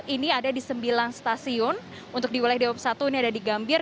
ini ada di sembilan stasiun untuk di wilayah daob satu ini ada di gambir